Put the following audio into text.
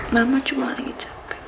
mama cuma lagi capek